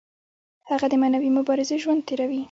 هغه د معنوي مبارزې ژوند تیروي.